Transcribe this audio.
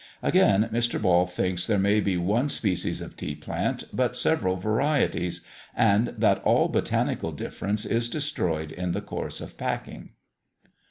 Again, Mr. Ball thinks there may be one species of tea plant, but several varieties, and that all botanical difference is destroyed in the course of packing.